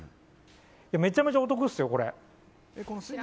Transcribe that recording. めちゃめちゃお得ですよ、これ。